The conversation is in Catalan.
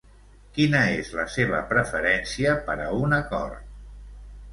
Quina és la seva preferència per a un acord?